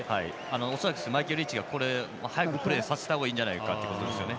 恐らくマイケルリーチが早くプレーさせた方がいいということですよね。